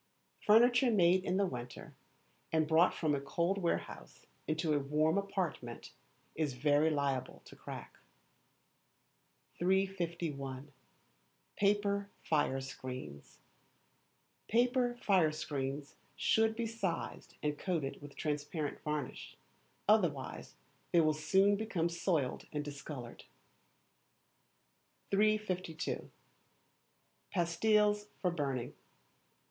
Furniture made in the winter, and brought from a cold warehouse into a warm apartment, is very liable to crack. 351. Paper Fire Screens should be sized and coated with transparent varnish, otherwise they will soon become soiled and discoloured. 352. Pastilles for Burning.